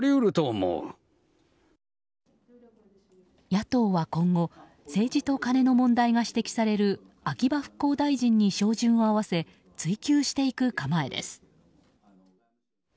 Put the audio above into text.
野党は今後政治とカネの問題が指摘される秋葉復興大臣に照準を合わせ追及していく構えです。